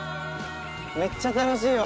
めっちゃ楽しいわ。